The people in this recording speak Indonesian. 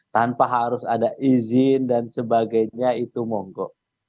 tanpa harus ada izin dan sebagainya itu monggo